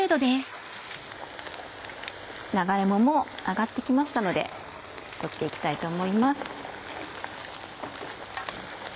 長芋も揚がって来ましたのですくって行きたいと思います。